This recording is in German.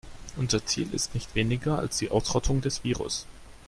Unser Ziel ist nicht weniger als die Ausrottung des Virus.